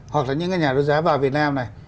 hoặc là những cái nhà đấu giá vào việt nam này